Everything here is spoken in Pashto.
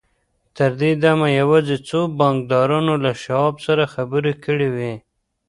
تر دې دمه يوازې څو بانکدارانو له شواب سره خبرې کړې وې.